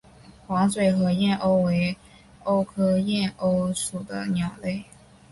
黄嘴河燕鸥为鸥科燕鸥属的鸟类。